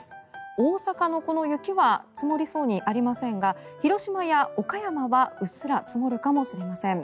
大阪のこの雪は積もりそうにありませんが広島や岡山はうっすら積もるかもしれません。